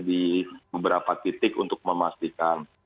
di beberapa titik untuk memastikan